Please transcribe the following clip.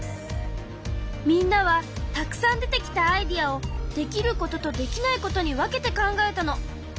みんなはたくさん出てきたアイデアをできることとできないことに分けて考えたの。